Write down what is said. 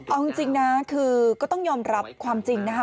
เอาจริงนะคือก็ต้องยอมรับความจริงนะคะ